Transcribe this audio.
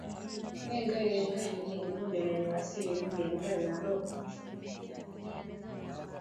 Engai Engai ni Mungu mmoja mwenye asili mbili Engai Narok Mungu Mweusi ana huruma